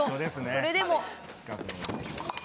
それでも。